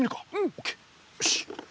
オッケーよし。